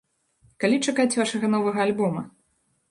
Калі чакаць вашага новага альбома?